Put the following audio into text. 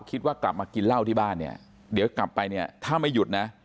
คิดว่ากลับมากินเหล้าที่บ้านเนี่ยเดี๋ยวกลับไปเนี่ยถ้าไม่หยุดนะ